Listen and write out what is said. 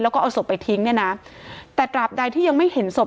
แล้วก็เอาศพไปทิ้งเนี่ยนะแต่ตราบใดที่ยังไม่เห็นศพ